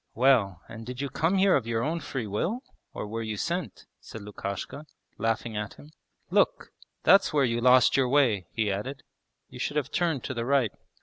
'Well, and did you come here of your own free will, or were you sent?' said Lukashka, laughing at him. 'Look! that's where you lost your way,' he added, 'you should have turned to the right.'